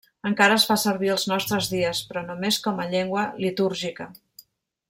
Encara es fa servir als nostres dies, però només com a llengua litúrgica.